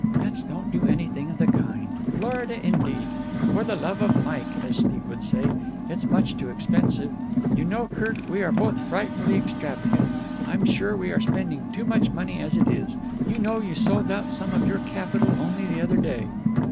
"Let's don't do anything of the kind. Florida indeed! For the love of Mike, as Steve would say, it's much too expensive. You know, Kirk, we are both frightfully extravagant. I'm sure we are spending too much money as it is. You know you sold out some of your capital only the other day."